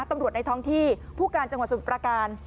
ในท้องที่ผู้การจังหวัดสมุทรประการ